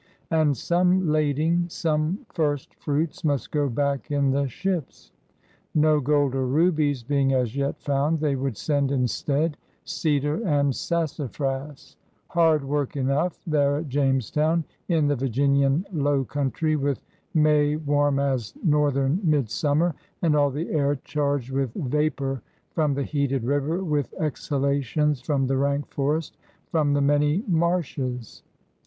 And some lading, some first fruits, must go back in the ships. No gold or rubies being as yet found, they would send instead cedar and sassafras — hard work enough, there at James town, in the Virginian low coimtry, with May warm as northern midsummer, and all the air charged with vapor from the heated river, with exhalations from the rank forest, from the many marshes.